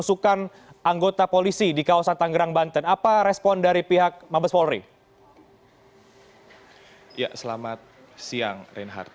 selamat siang reinhardt